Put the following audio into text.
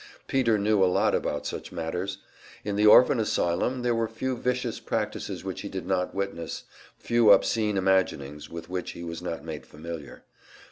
Peter knew a lot about such matters; in the orphan asylum there were few vicious practices which he did not witness, few obscene imaginings with which he was not made familiar.